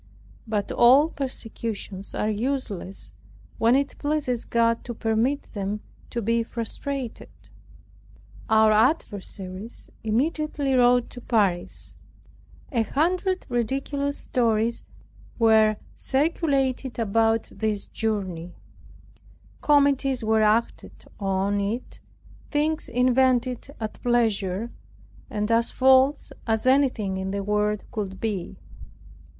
But all precautions are useless, when it pleases God to permit them to be frustrated. Our adversaries immediately wrote to Paris. A hundred ridiculous stories were circulated about this journey; comedies were acted on it, things invented at pleasure, and as false as anything in the world could be.